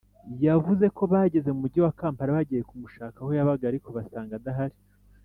yavuze ko bageze mu Mujyi wa Kampala bagiye kumushaka aho yabaga ariko basanga adahari